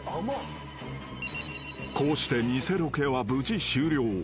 ［こうして偽ロケは無事終了］